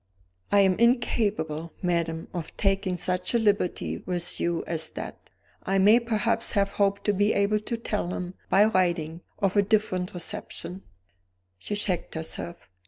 "I am incapable, madam, of taking such a liberty with you as that; I may perhaps have hoped to be able to tell him, by writing, of a different reception " She checked herself.